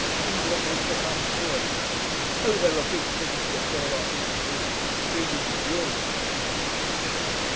England has become serious.... Oh! there are big things before us to do; big enduring things!"